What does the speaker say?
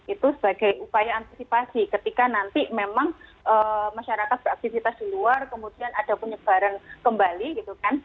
itu sebagai upaya antisipasi ketika nanti memang masyarakat beraktivitas di luar kemudian ada penyebaran kembali gitu kan